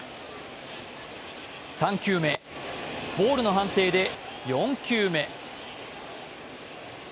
３球目はボールの判定で４球目。